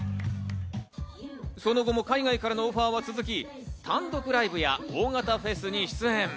その後も海外からのオファーは続き、単独ライブや大型フェスに出演。